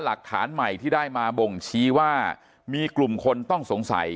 หลักฐานใหม่ที่ได้มาบ่งชี้ว่ามีกลุ่มคนต้องสงสัย